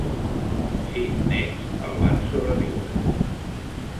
Sis nets el van sobreviure.